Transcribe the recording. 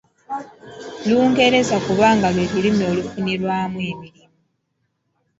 Lungereza kubanga lwe lulimi olufunirwamu emirimu.